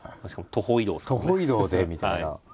徒歩移動でみたいな。